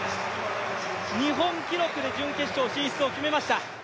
日本記録で準決勝進出を決めました。